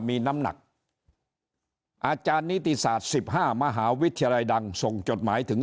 มีน้ำหนักอาจารย์นิติศาสตร์๑๕มหาวิทยาลัยดังส่งจดหมายถึง